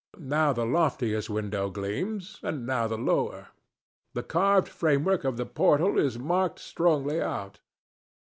Now the loftiest window gleams, and now the lower. The carved framework of the portal is marked strongly out.